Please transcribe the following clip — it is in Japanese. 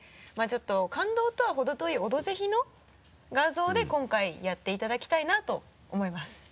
まぁちょっと感動とはほど遠い「オドぜひ」の画像で今回やっていただきたいなと思います。